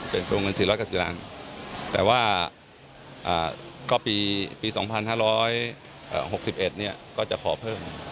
เป็นตัวเงิน๔๙๐ล้านแต่ว่าก็ปี๒๕๖๑ก็จะขอเพิ่ม